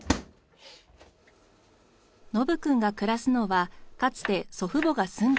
ノブくんが暮らすのはかつて祖父母が住んでいた家。